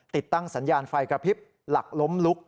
ติดตั้งสัญญาณไฟกระพริบหลักล้มลุก